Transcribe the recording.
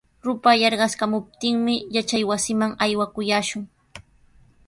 Rupay yarqaskamuptinmi yachaywasiman aywakullaashun.